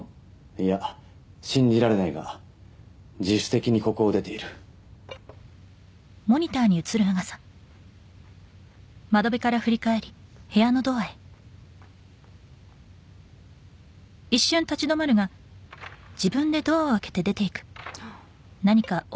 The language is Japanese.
いや信じられないが自主的にここを出ているあっ